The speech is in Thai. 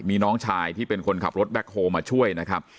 มีน้องชายที่เป็นคนขับรถแบ็คโฮลมาช่วยนะครับ